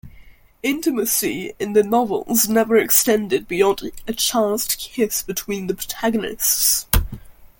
Intimacy in the novels never extended beyond a chaste kiss between the protagonists.